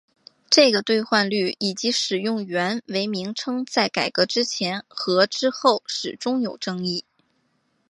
这个兑换率以及使用元为名称在改革之前和之后始终有争议。